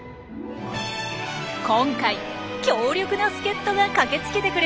今回強力な助っ人が駆けつけてくれました。